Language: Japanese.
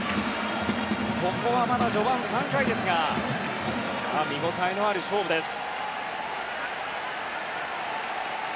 ここはまだ序盤、３回ですが見ごたえのある勝負です。